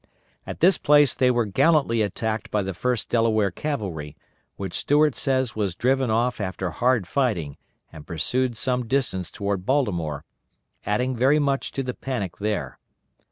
At this place they were gallantly attacked by the 1st Delaware Cavalry, which Stuart says was driven off after hard fighting and pursued some distance toward Baltimore, adding very much to the panic there.